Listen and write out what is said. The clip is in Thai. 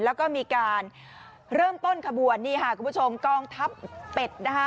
แล้วก็มีการเริ่มต้นขบวนนี่ค่ะคุณผู้ชมกองทัพเป็ดนะคะ